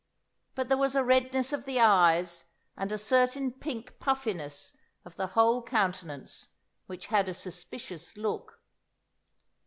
But there was a redness of the eyes, and a certain pink puffiness of the whole countenance which had a suspicious look.